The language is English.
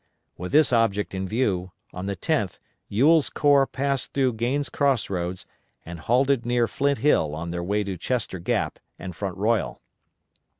With this object in view, on the 10th Ewell's corps passed through Gaines' Cross Roads, and halted near Flint Hill on their way to Chester Gap and Front Royal.